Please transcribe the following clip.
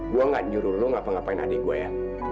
gue gak nyuruh lo ngapa ngapain adik gue ya